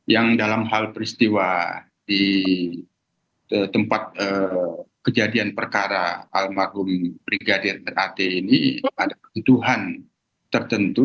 yang dalam hal peristiwa di tempat kejadian perkara almarhum brigadir rat ini ada kebutuhan tertentu